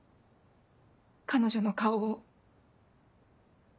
彼女の顔を。